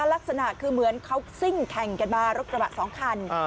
ลักษณะคือเหมือนเขาซิ่งแข่งกันมารถกระบะสองคัน